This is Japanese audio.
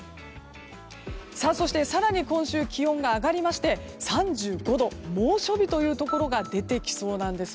そして更に今週、気温が上がりまして３５度、猛暑日というところが出てきそうなんです。